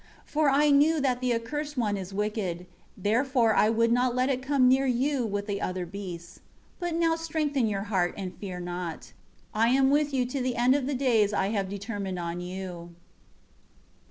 5 For I knew that the accursed one is wicked; therefore I would not let it come near you with the other beasts. 6 But now strengthen your heart and fear not. I am with you to the end of the days I have determined on you."